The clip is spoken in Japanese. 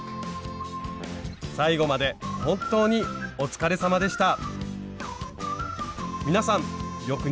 最後まで本当にお疲れさまでした。